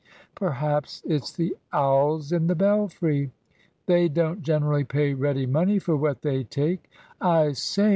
"Perhaps it's the owls in the belfry?" "They don't generally pay ready money for what they take." "I say!"